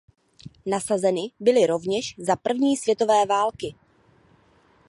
Nasazeny byly rovněž za první světové války.